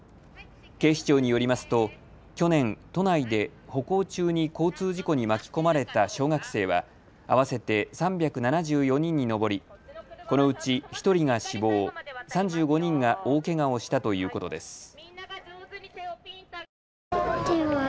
警視庁によりますと去年、都内で歩行中に交通事故に巻き込まれた小学生は合わせて３７４人に上りこのうち１人が死亡、３５人が大けがをしたということです。